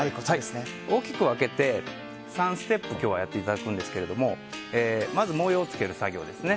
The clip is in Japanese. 大きく分けて３ステップ今日はやってもらうんですけどまず模様をつける作業です。